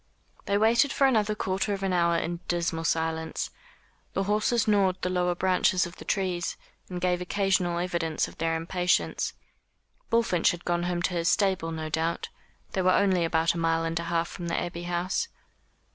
They waited for another quarter of an hour in dismal silence. The horses gnawed the lower branches of the trees, and gave occasional evidence of their impatience. Bullfinch had gone home to his stable no doubt. They were only about a mile and a half from the Abbey House.